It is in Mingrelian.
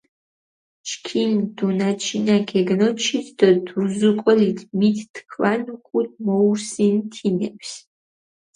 ჩქიმ დუნაჩინა გეგნოჩით დო დუზუკულით მით თქვან უკულ მოურსინ თინეფს.